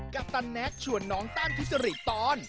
ปันแน็กชวนน้องต้านทุษริตอน